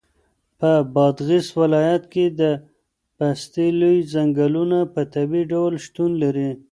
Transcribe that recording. په بادغیس ولایت کې د پستې لوی ځنګلونه په طبیعي ډول شتون لري.